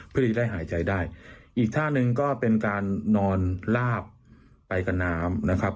เพื่อที่จะได้หายใจได้อีกท่าหนึ่งก็เป็นการนอนลาบไปกับน้ำนะครับ